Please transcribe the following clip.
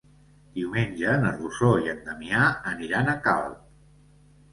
Diumenge na Rosó i en Damià aniran a Calp.